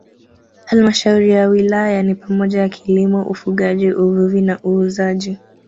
Halmashauri ya Wilaya ni pamoja na kilimo ufugaji uvuvi na uuzaji